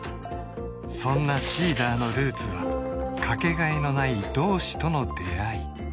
そんなＳｅｅｄｅｒのルーツはかけがえのない同志との出会い